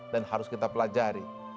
dan harus kita pelajari